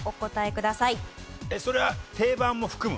えっそれは定番も含む？